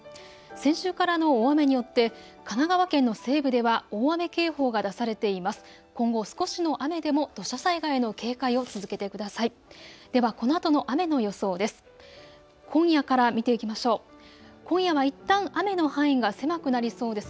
先週からの大雨によって神奈川県の西部では大雨警報が出されています。